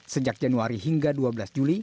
sejak januari hingga dua belas juli